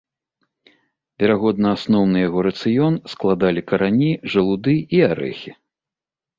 Верагодна, асноўны яго рацыён складалі карані, жалуды і арэхі.